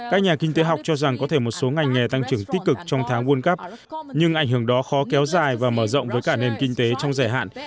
các nhà kinh tế học cho rằng có thể một số ngành nghề tăng trưởng tích cực trong tháng world cup nhưng ảnh hưởng đó khó kéo dài và mở rộng với cả nền kinh tế trong dài hạn